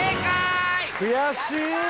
悔しい！